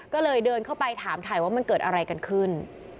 ก็เลยเดินเข้าไปถามถ่ายว่ามันเกิดอะไรกันขึ้น